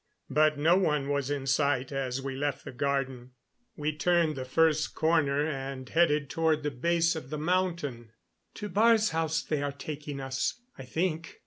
But no one was in sight as we left the garden. We turned the first corner and headed toward the base of the mountain. "To Baar's house they are taking us, I think.